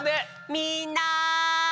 みんな！